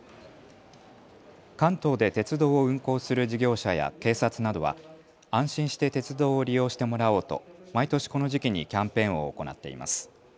関東で鉄道を運行する事業者や警察などは安心して鉄道を利用してもらおうと毎年この時期にキャンペーンを行っています。